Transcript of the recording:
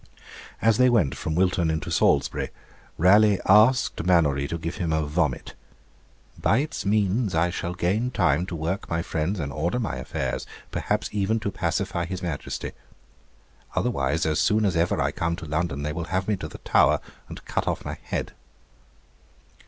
As they went from Wilton into Salisbury, Raleigh asked Mannourie to give him a vomit; 'by its means I shall gain time to work my friends, and order my affairs; perhaps even to pacify his Majesty. Otherwise, as soon as ever I come to London, they will have me to the Tower, and cut off my head.'